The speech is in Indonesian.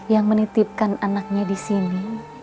yang menitipkan anaknya disini